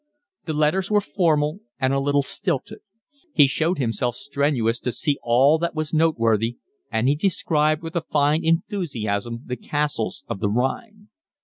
The letters were formal and a little stilted. He showed himself strenuous to see all that was noteworthy, and he described with a fine enthusiasm the castles of the Rhine.